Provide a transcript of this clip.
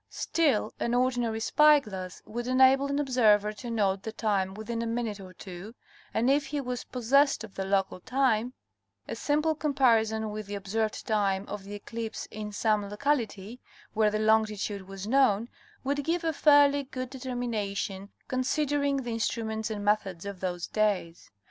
Still an ordinary spyglass would enable an observer to note the time within a minute or two, and, if he was possessed of the local time, a simple comparison with the ob served time of the eclipse in some locality where the longitude was known would give a fairly good determination, considering the instruments and methods of those days.